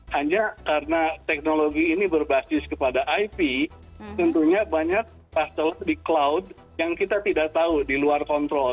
hanya karena teknologi ini berbasis kepada ip tentunya banyak pasal di cloud yang kita tidak tahu di luar kontrol